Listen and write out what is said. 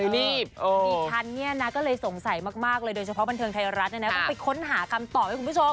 นี่ดิฉันเนี่ยนะก็เลยสงสัยมากเลยโดยเฉพาะบันเทิงไทยรัฐต้องไปค้นหาคำตอบให้คุณผู้ชม